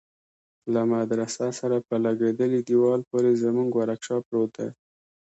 له مدرسه سره په لگېدلي دېوال پورې زموږ ورکشاپ پروت دى.